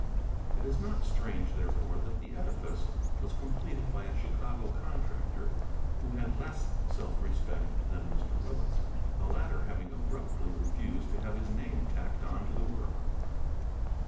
It is not strange, therefore, that the edifice was completed by a Chicago contractor who had less self respect than Mr. Willis, the latter having abruptly refused to have his name tacked on to the work.